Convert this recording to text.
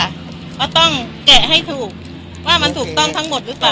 ก็ต้องแกะให้ถูกว่ามันถูกต้องทั้งหมดหรือเปล่า